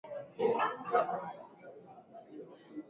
uchunguzi kuhusu matumizi sahihi ya lugha ya Kiswahili